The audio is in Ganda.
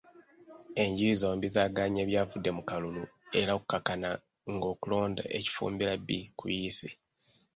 Enjuyi zombi zaagaanye ebyavudde mu kalulu era okukkakkana ng'okulonda e Kifumbira B kuyiise.